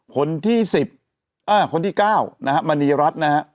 คนที่๑๐คนที่๙นะฮะมณีรัฐนะฮะ